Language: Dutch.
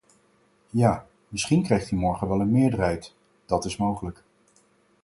Ja, misschien krijgt u morgen wel een meerderheid, dat is mogelijk.